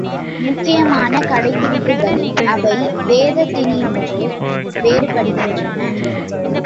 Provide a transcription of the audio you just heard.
முக்கியமான கடைப்பிடிகளில் அவை வேதத்தினின்றும் வேறுபடுகின்றன.